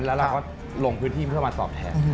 แล้วเราก็ลงพื้นที่เพื่อมาตอบแทน